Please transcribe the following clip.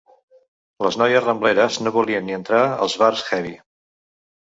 Les noies Rambleres no volien ni entrar als bars heavy.